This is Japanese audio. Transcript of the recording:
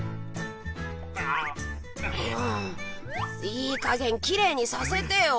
いい加減きれいにさせてよ。